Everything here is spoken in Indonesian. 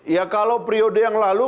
ya kalau periode yang lalu